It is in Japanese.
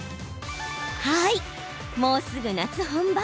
もうすぐ夏本番。